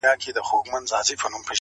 اسلام الدین چای ورته واچوه